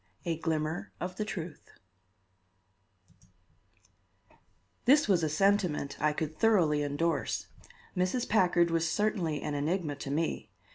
A GLIMMER OF THE TRUTH This was a sentiment I could thoroughly indorse. Mrs. Packard was certainly an enigma to me.